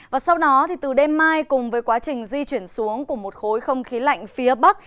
và sau đó từ đêm mai cùng với quá trình di chuyển xuống của một khối không khí lạnh phía bắc